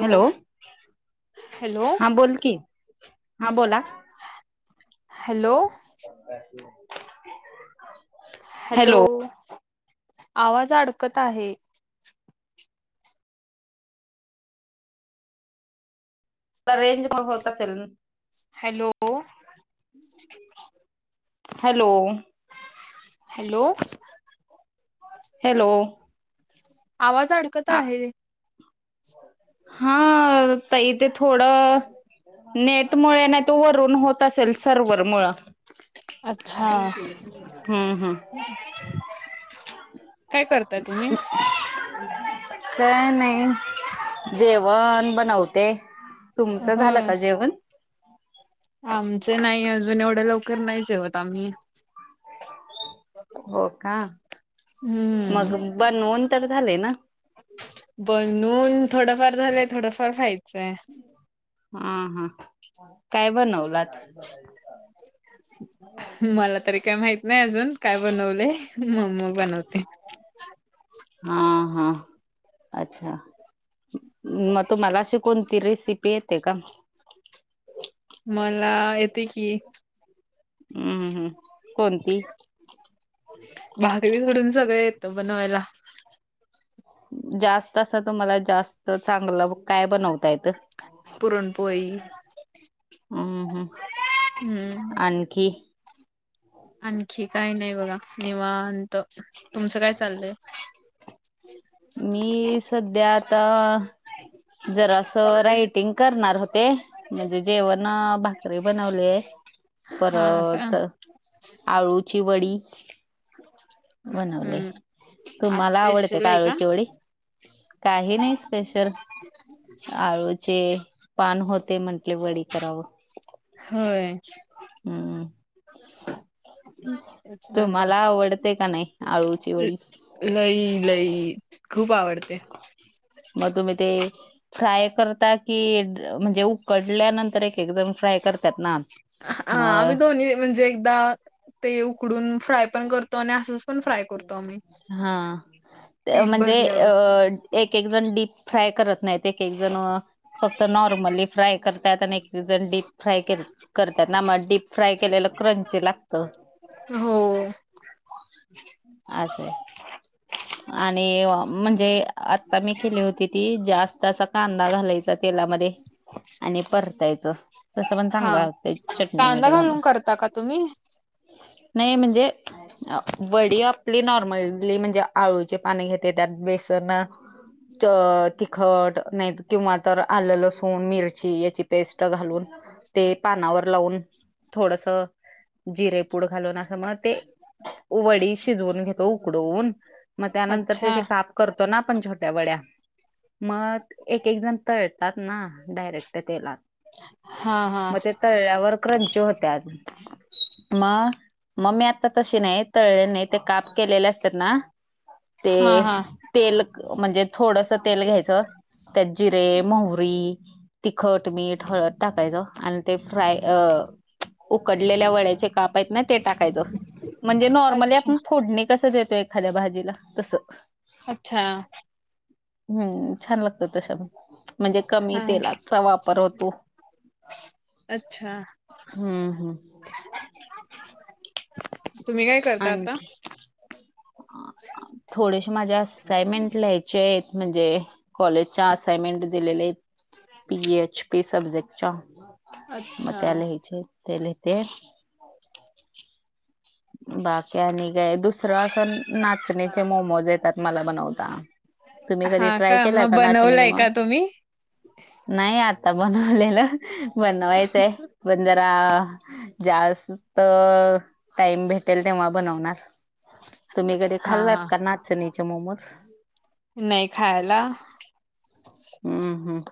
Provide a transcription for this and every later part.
Hello hello हा बोल कि हा बोला! हॅलो! [unintelligible] हॅलो आवाज अडकत आहे. रेंज न होत असेल. हॅलो! हॅलो! हॅलो! हॅलो! आवाज अडकत आहे. हा ताई ते थोडं नेट मुळे नाही तर वरून होत होत असेल सर्व्हरमूळ अच्छा हम्म-हम्म. [unintelligible] काय [inaudible] करताय तुम्ही काय नाही जेवण बनवते. तुमचं झालं हम्म. का जेवण आमच नाही अजून एवढं लवकर नाही जेवत आम्ही. हो का हम्म मग बनवून तर झालंय ना? बनवून थोडफार झालय थोडफार व्हायचंय. हा हा काय बनवलात? मला तरी काय माहित नाही अजून काय बनवलय. मम्मी बनवते. हा-हा. अच्छा मग तुम्हाला अशी कोणती रेसिपी येते का? मला येते कि हम्म हम्म हम्म कोणती भाकरी सोडून सगळ येत बनवायला. जास्त असं तुम्हाला जास्त चांगलं काय बनवता येत? पुरणपोळी हम्म हम्म हम्म आणखी आणखी काही नाही बघा निवात तुमचं काय चाललंय? मी सध्या आता जरा असं रायटिंग करणार होते. म्हणजे जेवण भाकरी बनवले हा का परत आळूची वडी बनवले हम्म आज तुम्हाला आवडते का? स्पेशल आहे आळूची काही नाही स्पेशल आळूचे पान होते म्हंटले वडी करावं. होय हम्म तेच म्हणलं. तुम्हाला आवडते का नाही आळूची वडी? लई लई खूप आवडते. मग तुम्ही ते फ्राय करता की म्हणजे उकडल्यानंतर एक एकदम फ्राय करतात. ना हा मग आम्ही दोन्ही म्हणजे एकदा ते उकडून फ्राय पण करतो आणि असंच पण फ्राय करतो आम्ही हा पीठ म्हणजे अ भरल्यावर. एक एक जण डीप फ्राय करत नाहीत एक एक जण फक्त नॉर्मली फ्राय करतात आणि जण डीप फ्राय के करतात ना मग डीप फ्राय केलेलं क्रंची लागतं. हो हो अच्छा आणि म्हणजे आता मी केली होती ती जास्त- कांदा घालायचा तेलामध्ये आणि परतायच. तसं पण हा चांगलं लागतं चटणी कांदा मीठ घालून करता का तुम्ही? नाही म्हणजे वडी आपली नॉर्मलली म्हणजे आळूचे पाणी घेते त्यात बेसन तिखट नाही किंवा तर आले लसूण मिरची याची पेस्ट घालून ते पानावर लावून थोडस जिरेपूड घालून असं मग ते वडी शिजवून घेतो उकडवून मग त्यानंतर अच्छा त्याचे काप करतो ना आपण छोट्या वड्या मग एक एक जण तळतात ना डायरेक्ट तेलात हा हा मग तळ्यावर क्रंची होत्या मग मग मी आता तसे नाहीत तळे नाही ते काप केलेले असतात ना ते हा हा तेल म्हणजे थोडस तेल घ्यायचं त्यात जिरे मोहरी तिखट मीठ हळद टाकायचं आणि ते फ्राय उकडलेल्या वळयाचे काप आहेत ना ते टाकायचं म्हणजे नॉर्मली अच्छा आपण फोडणी कसं देतो एखाद्या भाजीला तसं अच्छा हम्म छान लागतं तसं म्हणजे कमी हा. तेलाचा वापर होतो. अच्छा हम्म हम्म तुम्ही काय करता आता? थोडेशे माझे अस सायमेन्ट लिहायचे आहेत, म्हणजे कॉलेजच्या असाइनमेंट दिलेले येत. पी. एच. पी सबजेक्टच्या, मग अच्छा त्या लिहायच्या. त्या लिहिते. बाकी आणि काय? दुसरं असं नाचनीचे अच्छा. मोमोज येतात. मला बनवता, तुम्ही कधी हा ट्राय केलाय मग का? नाचण्याचे बनवलंय मग? का तुम्ही? नाय आता बनवलेलं. बनवायचंय, पण जरा जास्त टाइम भेटेल तेव्हा बनवणार, तुम्ही कधी हा हा. खाल्लात का नाचणीचे मोमोज? नही खायाला. हम्म हम्म.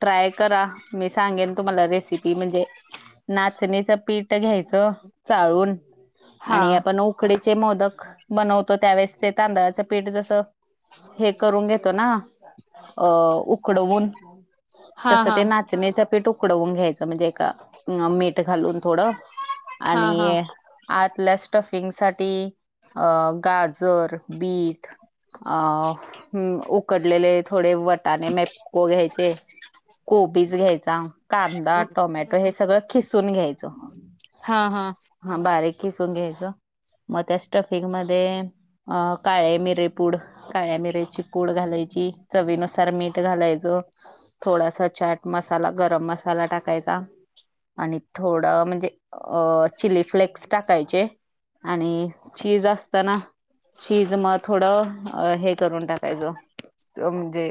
ट्राय करा, मी सांगेन तुम्हाला रेसिपी म्हणजे. नाचणीचं पीठ घ्यायचं चाळून हा आणि आपण उक् कडीचे मोदक बनवतो त्यावेळेस, ते तांदळाचं पीठ जसं हे करून घेतो ना, अ उकडवून, हा तसं हा ते ना चणीच पीठ उकडवून घ्यायचं, म्हणजे एका मीठ घालून थोडं. हा आणि हा. य आतल्या स्टफिंग साठी अ गाजर, बीट अं उकडलेले थोडे वटाने मेपको घ्यायचे. कोबीज घ्यायचा, कांदा टोमॅटो हे सगळं खिसून घ्यायचं. हां हां. हां बारीक किसून घ्यायचं, मग त्या स्टफिंग मध्ये अ काळे मिरेपूड. काळ्या मिऱ्याची पूड घालायची, चवीनुसार मीठ घालायच. थोडासा चाट मसाला, गरम मसाला, टाकायचा. आणि थोडं म्हणजे, अ चिली फ्लेक्स टाकायचे आणि चीज असताना चीज मत थोडं हे करून टाकायचं, त म्हणजे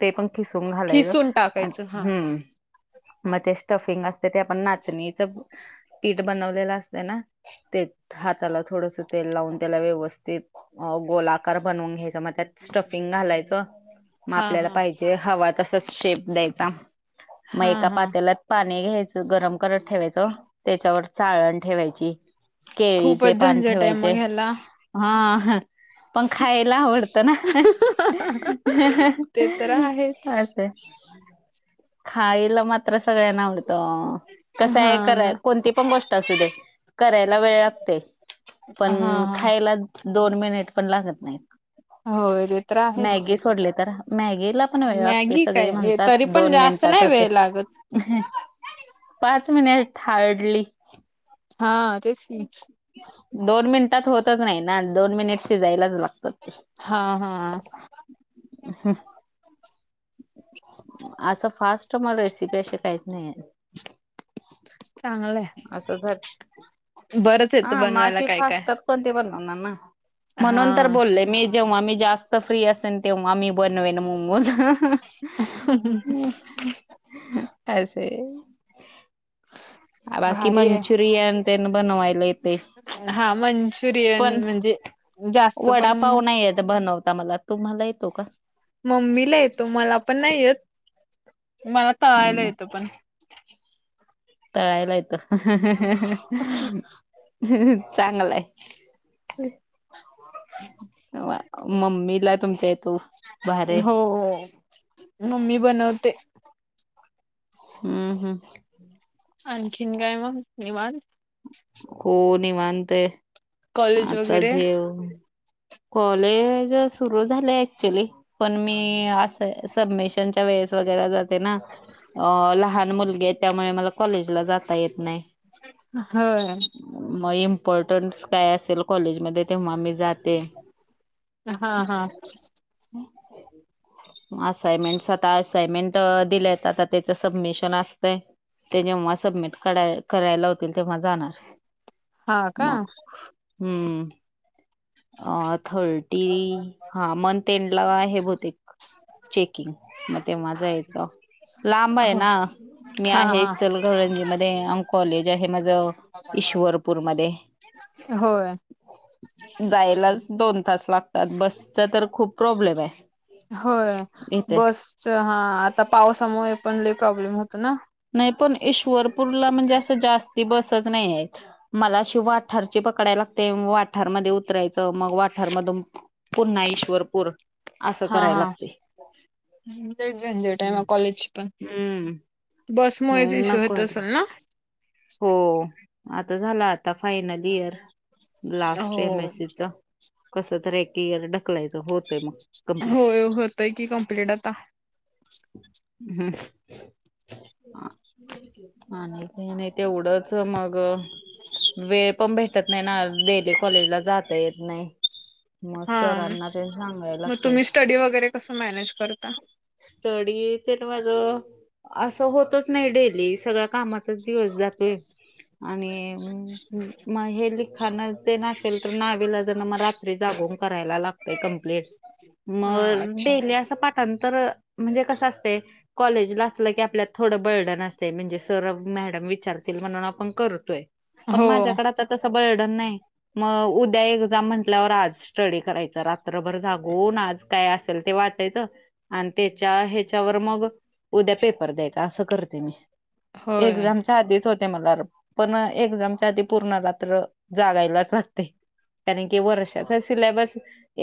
ते पण किसून घालायचं, खिसून अं टाकायचं हा हम्म. मग ते स्टफिंग असते, ते आपण नाचणीच पीठ बनवलेलं असते ना? तेत हाताला थोडस तेल लावून त्याला व्यवस्थित अ गोलाकार बनवून घ्यायच, मग त्यात स्टफिंग घालायचं. मग हा आपल्याला हा पाहिजे हवा तसाच शेप द्यायचा, मग हा एका हा. पात्यालात पाणी घ्यायचं. गरम करत ठेवायच, त्याच्यावर चाळण ठेवायची. केळीचे खूपच पान झंझट आहे मग ठेवायचे, ह्याला हां हं पण खायला आवडत ना? अं हं हं ते तर आहेच अं अस. खायला मात्र सगळ्यांना आवडत, हा कसय करा ना. ति पण गोष्ट असुदे, करायला वेळ लागतोय पण हा हा खा यला दोन मिनिट पण लागत नाहीत. होय ते तर आहेच. मॅगी सोडली तर, मॅगीला पण वेळ लागतो, सगळी म्हणतात दोन मिनट नही वेळ लागत. हं, पाच मिनिट हार्डली. हा तेच कीं. दोन मिनिटात होतच नाही ना. दोन मिनिट शिजायलाच लागतात. हा हा हा. ह. आता फास्ट मला रेसिपी अश्या काहीच नाहीत. चांगलंय. असंच हाय. बरंच येतं हा बनवायला मासे काय काय फास्ट झटपट ते बनवणार ना. हा म्हणून तर बोलले मी. जेव्हा मी जास्त फ्री असेन तेव्हा मी बनवेल मोमोज. [unintelligible] हम चालतंय. बाकी भारी आहे. मंचुरियन ते बनवाय हा मंचुरियन पण म्हणजे जास्त पण वडापाव नाही येत बनवता मला, तुम्हाला येतो का? मम्मीला येतो मला पण नाही येत. मला तळायला हम्म येतं पण, तळायला येतात. चांगलंय. वाव मम्मीला तुमच्या येतो. भारी हो हो हो, मम्मी बनवते. हम्म हम्म, आणखीन काय मग निवांत? हो. निवांत आहे. कॉलेज आता वगैरे जेव कॉलेज अ सुरू झालंय. ऍक्चुली, पण मी असं सबमिशनच्या वेळेस वगैरा जाते. तेना अ लहान मुलगी त्यामुळे मला कॉलेजला जाता येत नाही. होय. मग इम्पॉर्टन्स काय असेल कॉलेजमध्ये तेव्हा मी जात ते. हा हा असाइनमेंट आता असाइनमेंट दिलंय आता त्याचं सबमिशन असतय. ते जेव्हा सबमिट करा करायला लावत्यात तेव्हा जाणार. हा का मग हम्म. अ थर्टी हा मन तेनला आहे बहुतेक चेकिंग मग तेव्हा जाय च लांब आहे हो ना. मी हा आहे हा इचल करणजी मध्ये आणि कॉलेज आहे माझं ईश्वरपूरमध्ये. होय. जायलाच दोन तास लागतात. बसचा तर खूप प्रॉब्लेम आहे. होय. इथे. बसचा हा आता पावसामुळे पण लय प्रॉब्लेम होत ना. नाही पण ईश्वरपूरला म्हणजे असं जास्ती बसच नाही आहेत. मला अशी वाठारची पकडाय लागते. वाठारमध्ये उतरायचं मग वाठारमधून पुन्हा ईश्वरपूर. असं हा करायला हा लागते. लईच झंजट आहे हम्म. कॉलेजची पण. हम्म बसमुळेच हम्म इशू नको येत वाटते असेल ना. हो. आता झाला आता फायनल इयर लास्ट एम हो एस सी चा. कस तर एक ईअर ढकलायचं होतय मग. हो कमप्लीट हो होतय की कम्प्लीट आता. [unintelligible] तेवढंच मग वेळ पण भेटत नाही ना डेली कॉलेजला जात येत नाही. मग हा सरांना ते सांगायला मग लागतंय. तुम्ही स्टडी वगैरे कसं मॅनेज करता? स्टडी तर माझ असं होतच नाही डेली सगळ्या कामात तच दिवस जातोय आणि मग हे लिखाणात ते नसेल तर नावीलाजान मग रात्री जागून करायला लागतय कमप्लीट. हा मग अच्छा डेली असं पाठांतर म्हणजे कसं असतंय कॉलेजला असलं की आपल्यात थोडं बर्डन असतयं म्हणजे सर, मॅडम विचारतील म्हणून आपण करतोय. पण हो माझ्याकडे आता तसं बर्डन नाही मग उद्या एक्झाम म्हटल्यावर आज स्टडी करायचं रात्रभर जागून आज काय असेल ते वाचायचं आणि त्याच्या ह्याच्यावर मग उद्या पेपर द्यायचा असं करते मी. होय एक्झाम आधीच होते मला पण एक्झामच्या आधी पूर्ण रात्र जागायलाच लागते. कारण की वर्षाचा सिल्याबस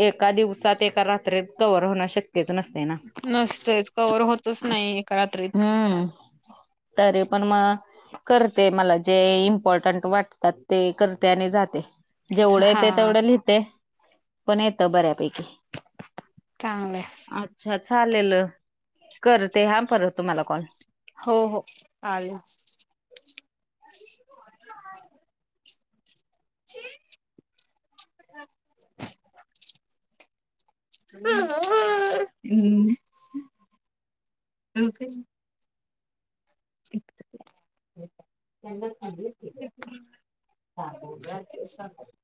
एका दिवसात एका रात्रीत कव्हर होणं शक्यच नसत. नसतयच कवर होतच नाही एका रात्रीत. हम्म तरी पण मग करते मला जे इम्पॉर्टंट वाटतात ते करते आणि जाते. जेवढं हा येतंय तेवढं लिहते पण येतं बऱ्यापैकी. चांगल आहे. अच्छा चालेल करते हा परत तुम्हाला कॉल. हो हो आलेच. [unintelligible] हम्म [unintelligible] त्यांना [unintelligible]